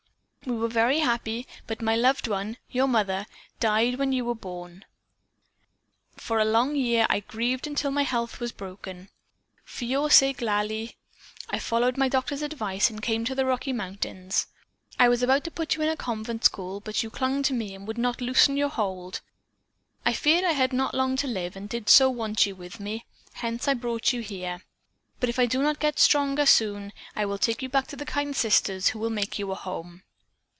We were very happy, but my loved one, your mother, died when you were born. For a long year I grieved until my health was broken. For your sake, Lalie, I followed my doctor's advice and came to the Rocky Mountains. I was about to put you in a convent school, but you clung to me and would not loosen your hold. I feared I had not long to live and I did so want you with me, hence I brought you here. But if I do not get stronger soon, I will take you back to the kind sisters, who will make you a home.